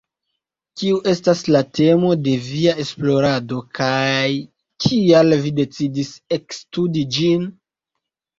Kiu estas la temo de via esplorado kaj kial vi decidis ekstudi ĝin?